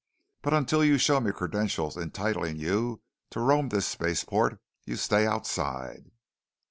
But until you show me credentials entitling you to roam this spaceport, you stay outside!"